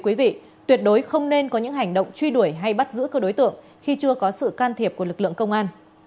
quý vị tuyệt đối không nên có những hành động truy đuổi hay bắt giữ cơ đối tượng khi chưa có sự can thiệp của lực lượng công an